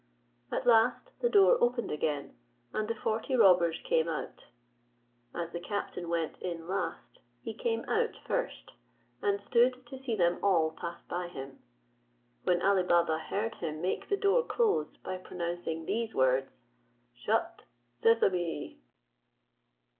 At last the door opened again, and the forty robbers came out. As the captain went in last, he came out first, and stood to see them all pass by him; when Ali Baba heard him make the door close by pronouncing these words, "Shut, Sesame."